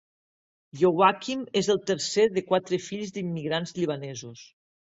Youakim és el tercer de quatre fills d'immigrants libanesos.